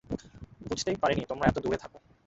বুঝতেই পারিনি তোমরা এত দূরে থাকো!